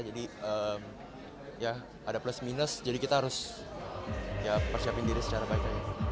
jadi ya ada plus minus jadi kita harus ya persiapin diri secara baik